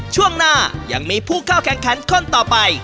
ช่วงหน้ายังมีผู้เข้าแข่งขันคนต่อไป